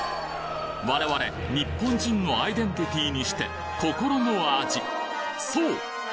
我々日本人のアイデンティティーにして心の味そう！